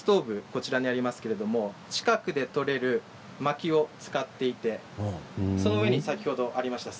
こちらにありますけれど近くで取れるまきを使っていてその上に先ほどありました